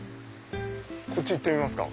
こっち行ってみますか。